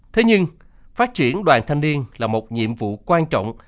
thế nhưng phát triển đoàn thanh niên là một nhiệm vụ quan trọng